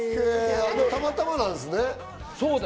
たまたまなんですね。